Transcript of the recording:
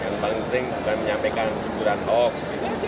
yang paling penting bukan menyampaikan sempuran hoaks